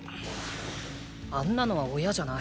あんなのは親じゃない。